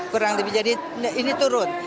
kurang lebih jadi ini turun